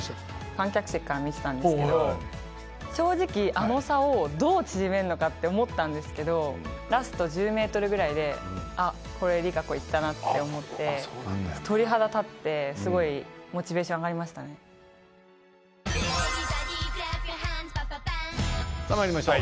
観客席から見てたんですけど正直あの差をどう縮めるのかって思ったんですけどラスト１０メートルぐらいであっこれ璃花子いったなって思って鳥肌立ってすごい。さあ参りましょう。